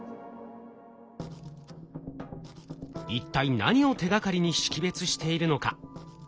一体何を手がかりに識別しているのか？